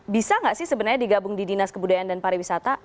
bisa nggak sih sebenarnya digabung di dinas kebudayaan dan pariwisata